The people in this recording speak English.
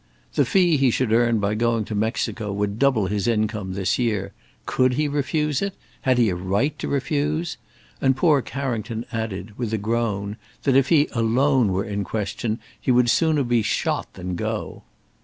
The fee he should earn by going to Mexico would double his income this year. Could he refuse? Had he a right to refuse? And poor Carrington added, with a groan, that if he alone were in question, he would sooner be shot than go.